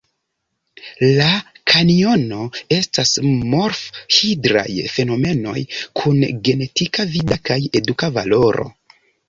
La kanjono estas morf-hidraj fenomenoj kun genetika, vida kaj eduka valoro.